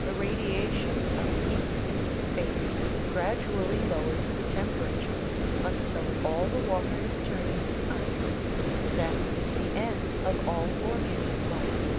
The radiation of heat into space gradually lowers the tem perature until all the water is turned into ice; that is the end of all organic life.